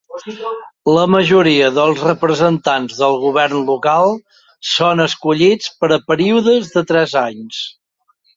La majoria dels representants del govern local són escollits per a períodes de tres anys.